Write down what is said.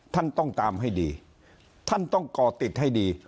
ท่านต้องตามให้ดีท่านต้องก่อติดให้ดี